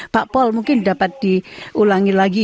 pak pol mungkin dapat diulangi lagi